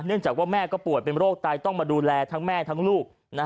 จากว่าแม่ก็ป่วยเป็นโรคไตต้องมาดูแลทั้งแม่ทั้งลูก